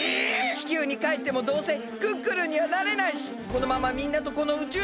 地球にかえってもどうせクックルンにはなれないしこのままみんなとこの宇宙船でくらしたいです！